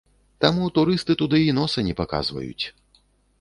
Таму турысты туды і носа не паказваюць.